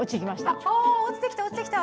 あっあ落ちてきた落ちてきた。